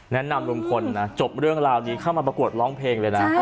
แนะนำลุงพลนะจบเรื่องราวนี้เข้ามาประกวดร้องเพลงเลยนะ